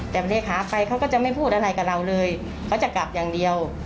แต่เลขาไปเขาก็จะไม่พูดอะไรกับเราเลยเขาจะกลับอย่างเดียว